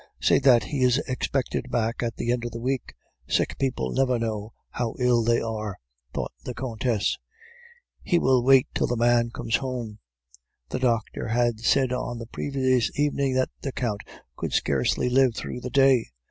Say that he is expected back at the end of the week. Sick people never know how ill they are,' thought the Countess; 'he will wait till the man comes home.' "The doctor had said on the previous evening that the Count could scarcely live through the day.